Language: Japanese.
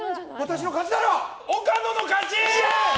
岡野の勝ち！